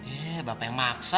eh bapak yang maksa